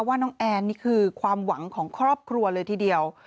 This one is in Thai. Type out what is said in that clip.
ว่าน้องแอนนี่คือความหวังของครอบครัวเลยทีเดียว